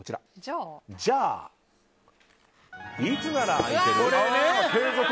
じゃあ、いつなら空いてる？